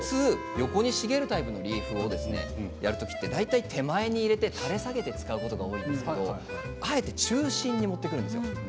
横に茂るタイプのリーフを使うときは大体手前に入れて垂れ下げて使うことが多いんですがあえて中心に持ってくるんです。